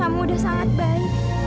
kamu udah sangat baik